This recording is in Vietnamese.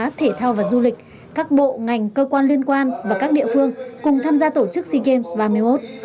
thể thao thể thao và du lịch các bộ ngành cơ quan liên quan và các địa phương cùng tham gia tổ chức sea games ba mươi một